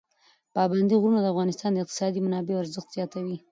پابندی غرونه د افغانستان د اقتصادي منابعو ارزښت زیاتوي.